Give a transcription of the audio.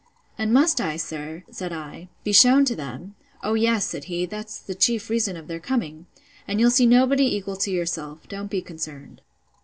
And must I, sir, said I, be shewn to them? O yes, said he; that's the chief reason of their coming. And you'll see nobody equal to yourself: don't be concerned.